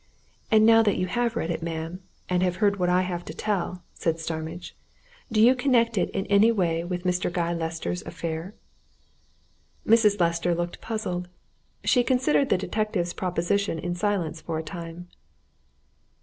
"And now that you have read it, ma'am, and have heard what I have to tell," said Starmidge, "do you connect it in any way with Mr. Guy Lester's affair?" Mrs. Lester looked puzzled. She considered the detective's proposition in silence for a time.